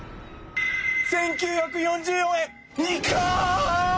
１，９４４円！